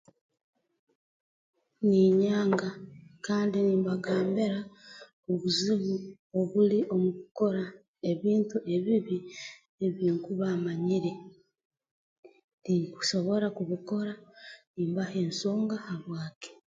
Ninyanga kandi nimbagambira obuzibu obuli omu kukora ebintu ebibi ebi nkuba mmanyire tinkusobora kubikora nimbaha ensonga habwaki